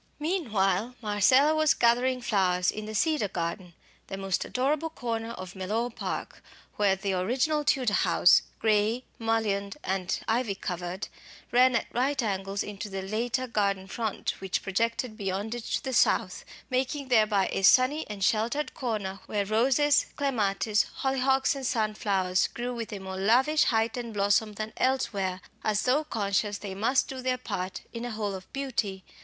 Meanwhile Marcella was gathering flowers in the "Cedar garden," the most adorable corner of Mellor Park, where the original Tudor house, grey, mullioned and ivy covered, ran at right angles into the later "garden front," which projected beyond it to the south, making thereby a sunny and sheltered corner where roses, clematis, hollyhocks, and sunflowers grew with a more lavish height and blossom than elsewhere, as though conscious they must do their part in a whole of beauty.